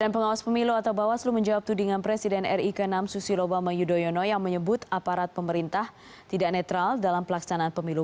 dan pengawas pemilu atau bawaslu menjawab tudingan presiden ri ke enam susilo bama yudhoyono yang menyebut aparat pemerintah tidak netral dalam pelaksanaan pemilu